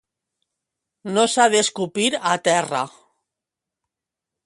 No s'ha d'escupir a terra